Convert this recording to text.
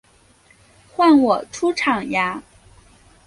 换我出场呀！